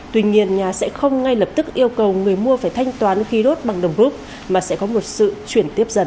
tuy nhiên nhà sẽ không ngay lập tức yêu cầu người mua phải thanh toán khí đốt bằng đồng rút mà sẽ có một sự chuyển tiếp dần